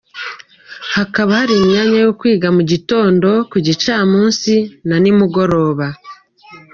Hakaba hari imyanya yo kwiga mu gitondo, ku gicamunsi na nimugoroba.